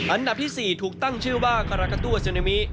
อันดับที่๔ถูกตั้งชื่อว่าการากาตู้อาซึนามิ